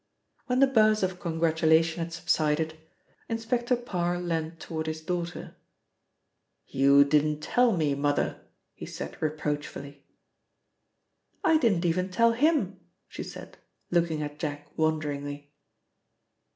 When the buzz of congratulation had subsided, Inspector Parr leant toward his daughter. "You didn't tell me. Mother," he said reproachfully. "I didn't even tell him," she said, looking at Jack wonderingly.